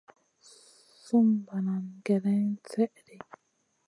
Sùm banana gèlèn slèʼɗi.